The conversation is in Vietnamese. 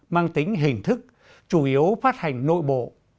mang tính hình thức chủ yếu phát hành nội bộ